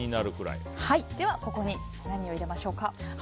ここに何を入れましょうか。